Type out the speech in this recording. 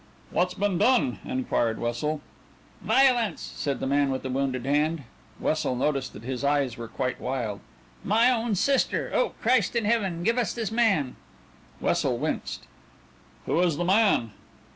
"What's been done?" inquired Wessel. "Violence!" said the man with the wounded hand. Wessel noticed that his eyes were quite wild. "My own sister. Oh, Christ in heaven, give us this man!" Wessel winced. "Who is the man?"